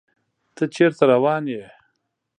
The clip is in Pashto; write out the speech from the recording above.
ته چیرته روان یې؟